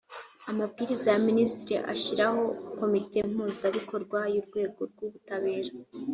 amabwiriza ya minisitiri ashyiraho komite mpuzabikorwa y urwego rw ubutabera